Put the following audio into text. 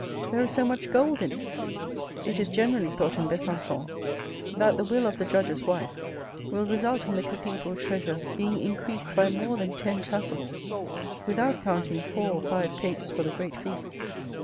There is so much gold in it. It is generally thought in Besancon that the will of the judge's wife will result in the cathedral treasure being increased by more than ten chasubles, without counting four or five capes for the great feast.